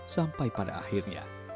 sampai pada akhirnya